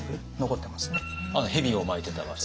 あの蛇を巻いてた場所？